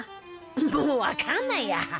もうわかんないや。